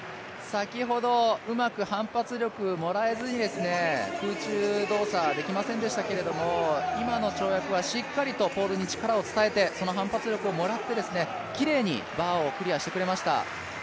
先ほどうまく反発力をもらえずに空中動作できませんでしたけれども、今の跳躍はしっかりとポールに力を伝えてその反発力をもらって、きれいにバーをクリアしてくれました。